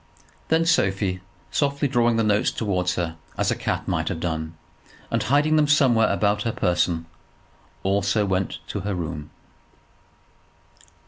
Then Sophie, softly drawing the notes towards her as a cat might have done, and hiding them somewhere about her person, also went to her room.